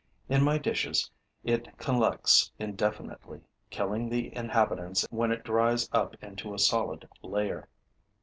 In my dishes, it collects indefinitely, killing the inhabitants when it dries up into a solid layer.